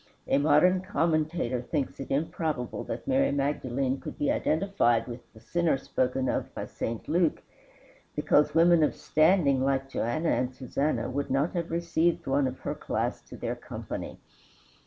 A modern commentator thinks it improbable that Mary Magdalene could be identified with the "sinner" spoken of by St. Luke, because women of standing like Joanna and Susanna would not have received one of her class to their company.